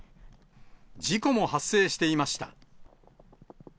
事故も発生していました。